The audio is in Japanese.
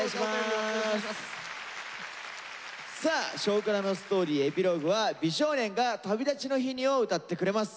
さあ「少クラ」の「ＳＴＯＲＹ」エピローグは美少年が「旅立ちの日に」を歌ってくれます。